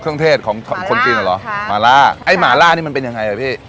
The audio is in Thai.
เครื่องเทศของคนจีนเหรอหมาล่าหมาล่าไอ้หมาล่านี่มันเป็นยังไงพี่